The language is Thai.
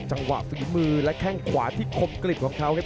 จังหวะฟีมือและแค่งขวาที่คมกลิบของเขาครับ